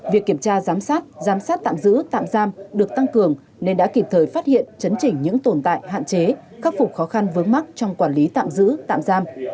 việc kiểm tra giám sát giám sát tạm giữ tạm giam được tăng cường nên đã kịp thời phát hiện chấn chỉnh những tồn tại hạn chế khắc phục khó khăn vướng mắt trong quản lý tạm giữ tạm giam